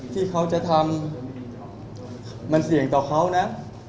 ที่เขาจะทำมันเสี่ยงต่อเขานะ